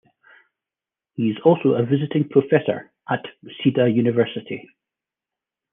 He is also a visiting professor at Waseda University.